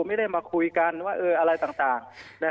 ไม่ได้มาคุยกันว่าอะไรต่าง